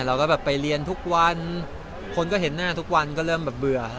เราก็แบบไปเรียนทุกวันคนก็เห็นหน้าทุกวันก็เริ่มแบบเบื่อครับ